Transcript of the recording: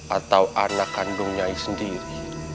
atau anak kandung nyai sendiri